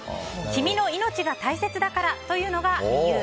君の命が大切だからというのが理由。